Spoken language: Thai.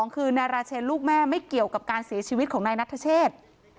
คือนายราเชนลูกแม่ไม่เกี่ยวกับการเสียชีวิตของนายนัทเชษ